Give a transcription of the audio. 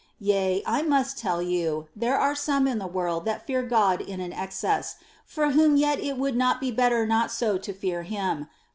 Yea, I must tell you, there are some in the world that fear God in an ex cess, for whom yet it would not be better not so to fear him.